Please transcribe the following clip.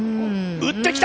打ってきた！